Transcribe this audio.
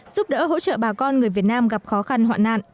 giúp đỡ hỗ trợ bà con người việt nam gặp khó khăn hoạn nạn